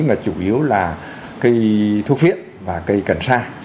mà chủ yếu là cây thuốc viện và cây cần sa